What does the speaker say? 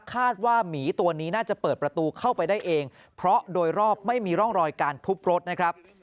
หมีตัวนี้น่าจะเปิดประตูเข้าไปได้เองเพราะโดยรอบไม่มีร่องรอยการทุบรถนะครับ